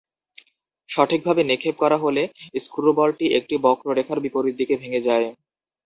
সঠিকভাবে নিক্ষেপ করা হলে স্ক্রুবলটি একটি বক্ররেখার বিপরীত দিকে ভেঙে যায়।